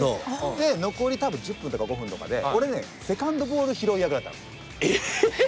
で残り多分１０分とか５分とかで俺ねセカンドボール拾い役だったの。えっ！？